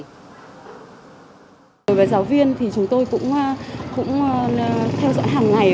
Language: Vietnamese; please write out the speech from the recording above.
đối với giáo viên thì chúng tôi cũng theo dõi hàng ngày